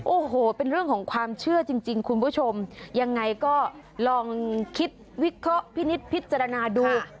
โอ้โหเป็นเรื่องของความเชื่อจริงคุณผู้ชมยังไงก็ลองคิดวิเคราะห์พินิษฐพิจารณาดู